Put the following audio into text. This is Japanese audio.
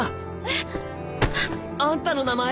えっ！あんたの名前。